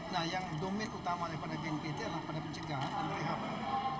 nah yang domin utama daripada bnpt adalah pada pencegahan dan rehable